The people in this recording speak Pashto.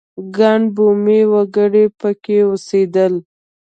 ګڼ بومي وګړي په کې اوسېدل.